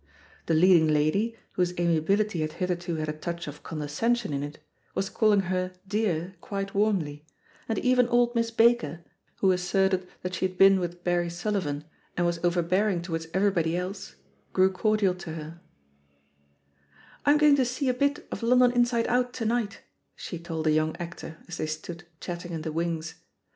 The leading lady, whose THE POSITION OF PEGGY HARPER 149 amiability had hitherto had a touch of condescen sion in it, was calling her "dear'* quite warmly, and even old Miss Baker, who asserted that she had been with Barry Sullivan and was overbear ing towards everybody else, grew cordial to her, "I'm going to see a bit of London Inside Out to night," she told a young actor as they stood chatting in the wmgs.